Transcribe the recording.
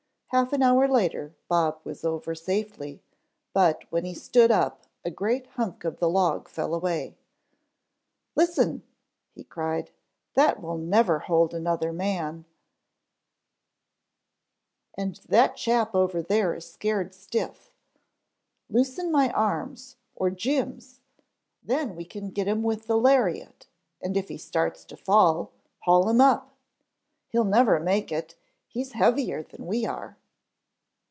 Half an hour later Bob was over safely, but when he stood up a great hunk of the log fell away. "Listen," he cried, "that will never hold another man, and that chap over there is scared stiff. Loosen my arms, or Jim's, then we can get him with the lariat and if he starts to fall, haul him up. He'll never make it he's heavier than we are."